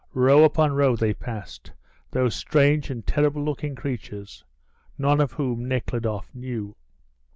Row upon row they passed, those strange and terrible looking creatures, none of whom Nekhludoff knew.